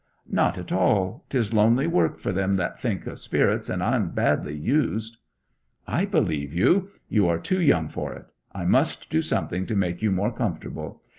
'Not at all. 'Tis lonely work for them that think of spirits, and I'm badly used.' 'I believe you. You are too young for it. I must do something to make you more comfortable.